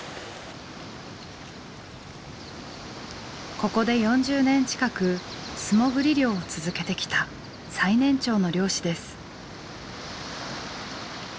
ここで４０年近く素潜り漁を続けてきた最年長の漁師です。